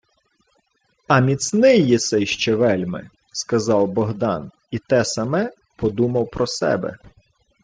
— А міцний єси ще вельми, — сказав Богдан, і те саме подумав про себе.